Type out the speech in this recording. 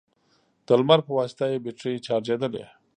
د لمر په واسطه يې بېټرۍ چارجېدلې،